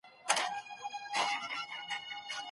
افغان نجوني د نورمالو ډیپلوماټیکو اړیکو ګټي نه لري.